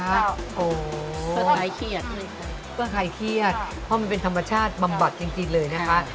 เพื่อคลายเครียดเพื่อใครเครียดเพราะมันเป็นธรรมชาติบำบัดจริงเลยนะคะ